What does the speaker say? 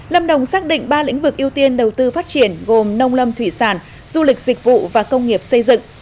lâm đồng xác định ba lĩnh vực ưu tiên đầu tư phát triển gồm nông lâm thủy sản du lịch dịch vụ và công nghiệp xây dựng